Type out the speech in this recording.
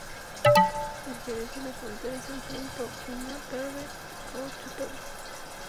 En Jerez de la Frontera se enfrentó una tarde a ocho toros.